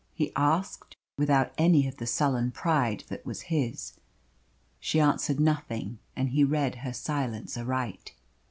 he asked, without any of the sullen pride that was his. She answered nothing, and he read her silence aright.